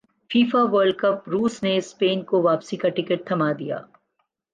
FIFA World cup روس نے Spain کو واپسی کا ٹکٹ تھمادیا